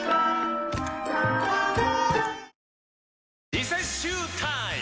リセッシュータイム！